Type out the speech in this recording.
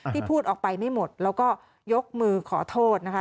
พูดออกไปไม่หมดแล้วก็ยกมือขอโทษนะคะ